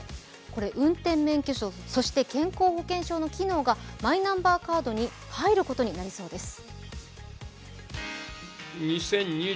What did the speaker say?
これ、運転免許証、そして健康保険証の機能がマイナンバーカードに入ることになりそうです。